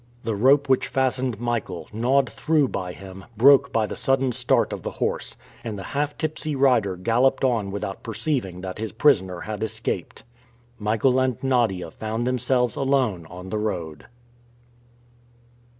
The rope which fastened Michael, gnawed through by him, broke by the sudden start of the horse, and the half tipsy rider galloped on without perceiving that his prisoner had escaped. Michael and Nadia found themselves alone on the road.